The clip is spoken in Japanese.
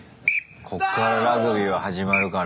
こっからラグビーは始まるからね。